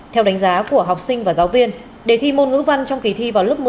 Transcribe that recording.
theo đánh giá của học sinh và giáo viên đề thi môn ngữ văn trong kỳ thi vào lớp một mươi